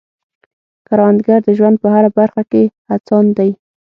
کروندګر د ژوند په هره برخه کې هڅاند دی